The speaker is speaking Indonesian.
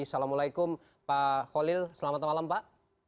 assalamualaikum pak khalil selamat malam pak